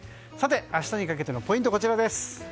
明日にかけてのポイントはこちらです。